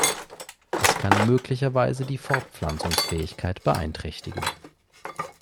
Es kann möglicherweise die Fortpflanzungsfähigkeit beeinträchtigen.